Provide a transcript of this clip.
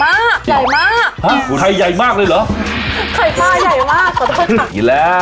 ไข่ใหญ่มากใหญ่มากฮะไข่ใหญ่มากเลยเหรอไอ่ปลายใหญ่มาก